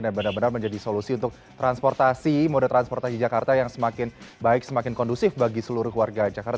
dan benar benar menjadi solusi untuk transportasi mode transportasi jakarta yang semakin baik semakin kondusif bagi seluruh keluarga jakarta